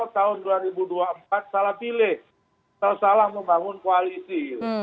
tahun dua ribu dua puluh empat salah pilih salah membangun koalisi